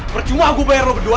percuma aku bayar roh berdua